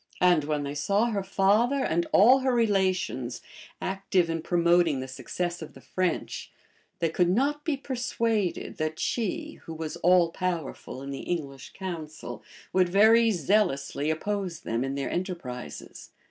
And when they saw her father and all her relations active in promoting the success of the French, they could not be persuaded that she, who was all powerful in the English council, would very zealously oppose them in their enterprises.